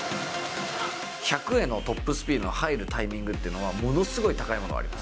１００へのトップスピードに入るタイミングっていうのは、ものすごい高いものがあります。